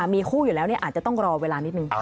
มีคู่อยู่แล้วอาจจะต้องรอเวลานิดนึง